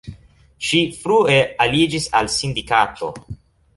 Ŝi frue aliĝis al sindikato.